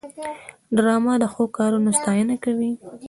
ډرامه د ښو کارونو ستاینه کوي